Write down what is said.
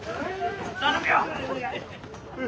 頼むよ！